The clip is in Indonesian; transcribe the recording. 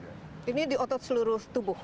ini di otot seluruh tubuh